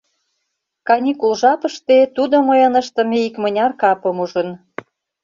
Каникул жапыште тудо мыйын ыштыме икмыняр капым ужын.